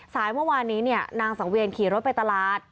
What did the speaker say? เมื่อวานนี้นางสังเวียนขี่รถไปตลาด